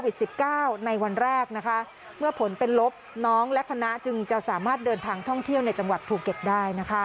สิบเก้าในวันแรกนะคะเมื่อผลเป็นลบน้องและคณะจึงจะสามารถเดินทางท่องเที่ยวในจังหวัดภูเก็ตได้นะคะ